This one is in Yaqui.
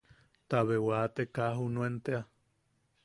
Tabe wate bea ka junea tea.